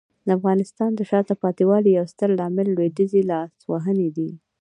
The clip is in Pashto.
د افغانستان د شاته پاتې والي یو ستر عامل لویدیځي لاسوهنې دي.